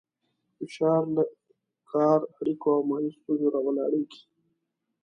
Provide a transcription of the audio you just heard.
فشار له کار، اړیکو او مالي ستونزو راولاړېږي.